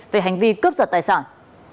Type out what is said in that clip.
về hành vi cướp giật tài sản